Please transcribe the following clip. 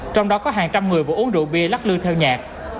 trong đó có hàng trăm người vừa uống rượu bia lắc lư theo nhạc